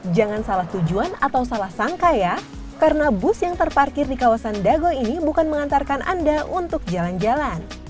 jangan salah tujuan atau salah sangka ya karena bus yang terparkir di kawasan dago ini bukan mengantarkan anda untuk jalan jalan